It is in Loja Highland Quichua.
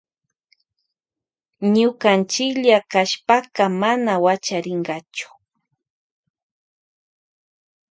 Ñukanchilla kashpaka mana wachariynkachu.